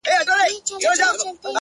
• انسانان به وي اخته په بدو چارو ,